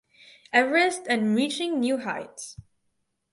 Everest and reaching New Heights.